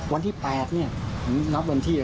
วันที่๘เนี่ยนับวันที่